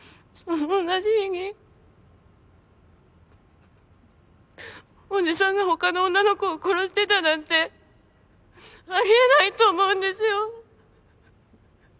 ううっおじさんが他の女の子を殺してたなんてありえないと思うんですよ。